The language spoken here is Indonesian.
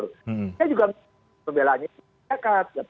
ini juga membelanya zakat